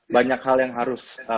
banyak hal yang harus